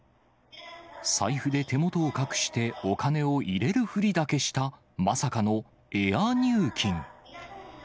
財布で手元を隠して、お金を入れるふりだけした、まさかのエア入金。